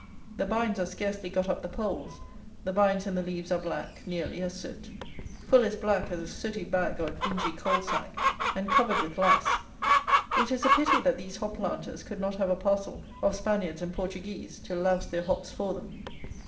The bines are scarcely got up the poles; the bines and the leaves are black, nearly, as soot; full as black as a sooty bag or dingy coal sack, and covered with lice. It is a pity that these hop planters could not have a parcel of Spaniards and Portuguese to louse their hops for them.